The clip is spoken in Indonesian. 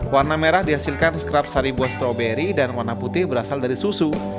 warna merah dihasilkan skrap sari buah stroberi dan warna putih berasal dari susu